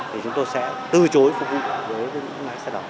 thì chúng tôi sẽ từ chối phục vụ đối với những lái xe đó